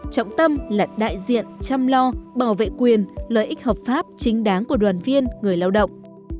trọng tâm là đại diện chăm lo bảo vệ quyền lợi ích hợp pháp chính đáng của đoàn viên người lao động